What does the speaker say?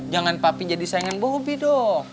jangan papi jadi sayangan bobby dong